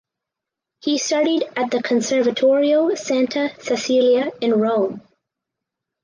He studied at the Conservatorio Santa Cecilia in Rome.